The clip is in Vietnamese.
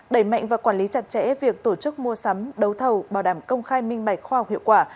đẩy mạnh và quản lý chặt chẽ việc tổ chức mua sắm đấu thầu bảo đảm công khai minh bạch khoa học hiệu quả